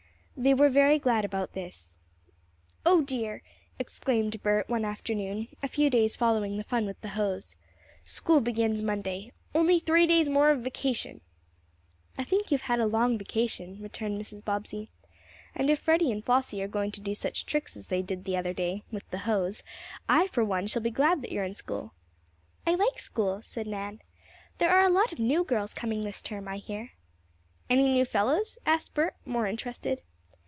They were very glad about this. "Oh dear!" exclaimed Bert, one afternoon a few days following the fun with the hose, "school begins Monday. Only three more days of vacation!" "I think you have had a long vacation," returned Mrs. Bobbsey, "and if Freddie and Flossie are going to do such tricks as they did the other day, with the hose, I, for one, shall be glad that you are in school." "I like school," said Nan. "There are lot of new girls coming this term, I hear." "Any new fellows?" asked Bert, more interested.